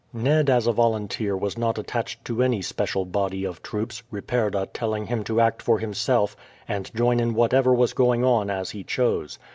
Ned as a volunteer was not attached to any special body of troops, Ripperda telling him to act for himself and join in whatever was going on as he chose.